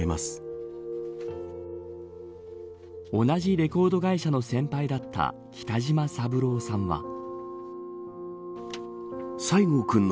同じレコード会社の先輩だった北島三郎さんは。